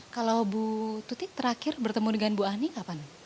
kalau bu tuti terakhir bertemu dengan bu ani kapan